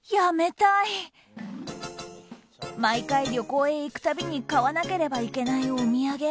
毎回旅行へ行くたびに買わなければいけない、お土産。